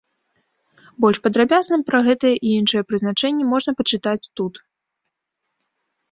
Больш падрабязна пра гэтыя і іншыя прызначэнні можна пачытаць тут.